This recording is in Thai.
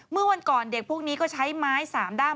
เมื่อวันก่อนเด็กพวกนี้ก็ใช้ไม้๓ด้าม